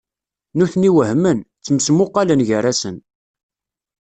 Nutni wehmen, ttmesmuqalen gar-asen.